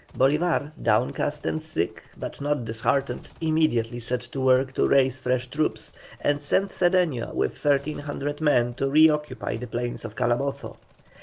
Bolívar, downcast and sick but not disheartened, immediately set to work to raise fresh troops, and sent Cedeño with 1,300 men to re occupy the plains of Calabozo.